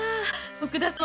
徳田さん。